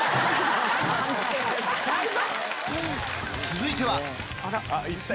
続いては！